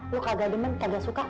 lu kagak demen kagak suka